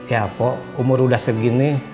ya pok umur udah segini